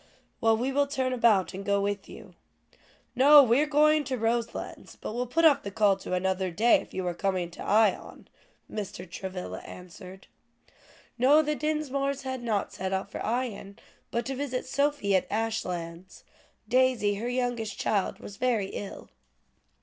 "Well, we will turn about and go with you." "No, we were going to Roselands but will put off the call to another day, if you were coming to Ion," Mr. Travilla answered. "No, the Dinsmores had not set out for Ion, but to visit Sophie at Ashlands; Daisy, her youngest child, was very ill."